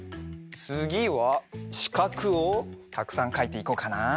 つぎはしかくをたくさんかいていこうかな。